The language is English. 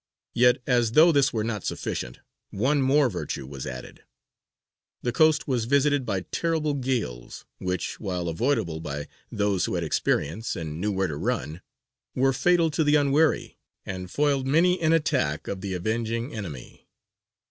Yet, as though this were not sufficient, one more virtue was added. The coast was visited by terrible gales, which, while avoidable by those who had experience and knew where to run, were fatal to the unwary, and foiled many an attack of the avenging enemy.